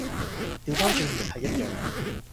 掉返轉亦係一樣